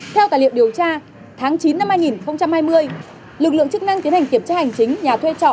theo tài liệu điều tra tháng chín năm hai nghìn hai mươi lực lượng chức năng tiến hành kiểm tra hành chính nhà thuê trọ